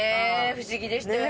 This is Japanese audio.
不思議でしたよね。